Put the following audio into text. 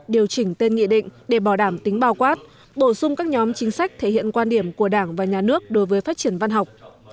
điều chỉnh tên nghị định để bảo đảm tính bao quát bổ sung các nhóm chính sách thể hiện quan điểm của đảng và nhà nước đối với phát triển văn học